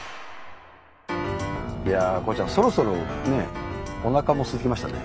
いやあ孝ちゃんそろそろねおなかもすきましたね。